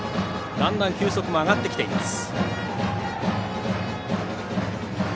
だんだん球速も上がってきています。